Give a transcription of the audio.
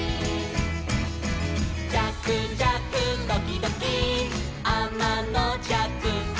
「じゃくじゃくドキドキあまのじゃく」